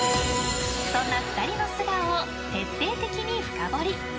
そんな２人の素顔を徹底的に深掘り。